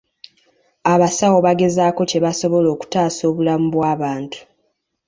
Abasawo bagezaako kye basobola okutaasa obulamu bw'abantu.